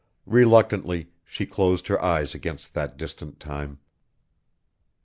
Reluctantly, she closed her eyes against that distant time.